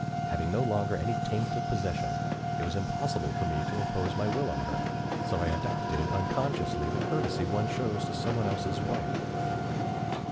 Having no longer any taint of possession, it was impossible for me to impose my will on her, so I adopted unconsciously the courtesy one shows to some one else's wife.